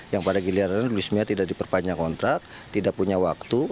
yang pada giliran luismia tidak diperpanjang kontrak tidak punya waktu